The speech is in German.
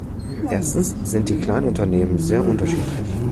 Erstens sind die Kleinunternehmen sehr unterschiedlich.